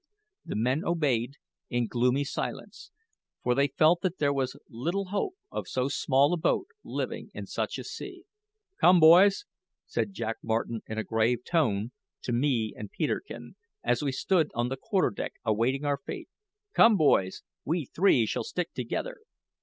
The men obeyed in gloomy silence, for they felt that there was little hope of so small a boat living in such a sea. "Come, boys," said Jack Martin, in a grave tone, to me and Peterkin, as we stood on the quarter deck awaiting our fate "come, boys; we three shall stick together.